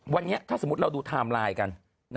วันนี้ถ้าสมมุติเราดูไทม์ไลน์กัน